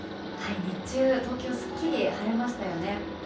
日中、東京はすっきり晴れましたよね。